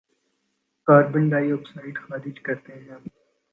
carbon ڈائی آکسائیڈ خارج کرتے ہیں